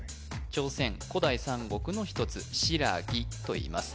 朝鮮古代三国の一つしらぎといいます